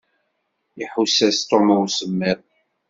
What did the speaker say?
Iḥuss-as Tom i usemmiḍ.